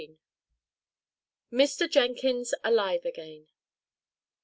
MR. JENKINS ALIVE AGAIN.